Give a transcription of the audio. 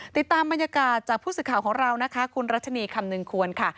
ติดตามบรรยากาศจากผู้สื่อข่าวของเรานะคะคุณรัชนีคำนึงควรค่ะ